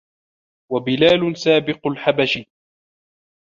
وَبِلَالٌ سَابِقُ الْحَبَشِ